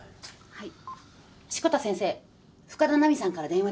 はい。